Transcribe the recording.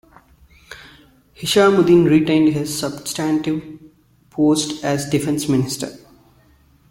Hishammuddin retained his substantive post as defence minister.